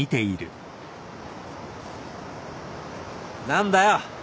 何だよ。